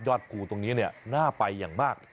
ภูตรงนี้น่าไปอย่างมาก